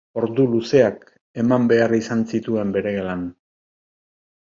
Ordu luzeak eman behar izan zituen bere gelan.